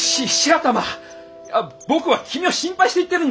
僕は君を心配して言ってるんだよ。